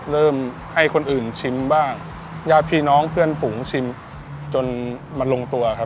ให้คนอื่นชิมบ้างญาติพี่น้องเพื่อนฝูงชิมจนมันลงตัวครับ